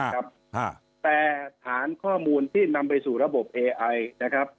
ครับแต่ฐานข้อมูลที่นำไปสู่ระบบเอไอนะครับ